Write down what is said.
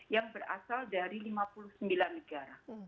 yang berasal dari lima puluh sembilan negara